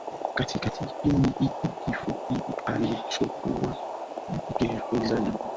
Katika kipindi hiki kifupi alichokuwa gerezani